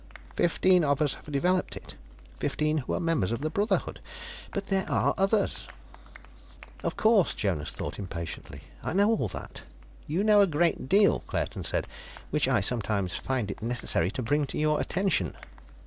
Fifteen of us have developed it; fifteen who are members of the Brotherhood. But there are others " "Of course," Jonas thought impatiently. "I know all that." "You know a great deal," Claerten said, "which I sometimes find it necessary to bring to your attention."